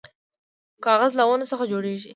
کاغذ له ونو څخه جوړیږي